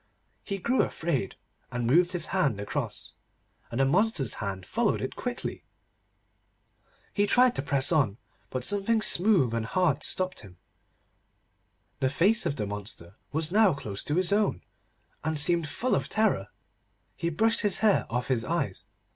He grew afraid, and moved his hand across, and the monster's hand followed it quickly. He tried to press on, but something smooth and hard stopped him. The face of the monster was now close to his own, and seemed full of terror. He brushed his hair off his eyes.